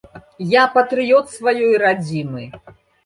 Я патрыёт сваёй радзімы.